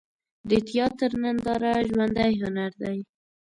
د تیاتر ننداره ژوندی هنر دی.